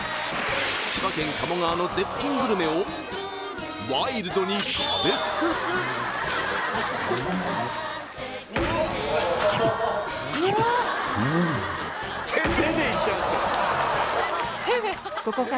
千葉県鴨川の絶品グルメをワイルドに食べ尽くすうーんっ